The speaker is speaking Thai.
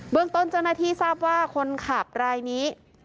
เรื่องต้นเจ้าหน้าที่ทราบว่าคนขับรายนี้